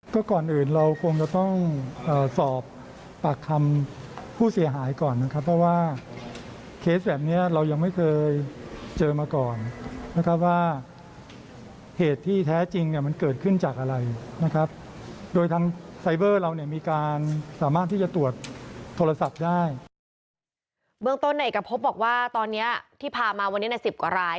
ตอนเอกพบบอกว่าตอนนี้ที่พามาวันนี้ใน๑๐กว่าราย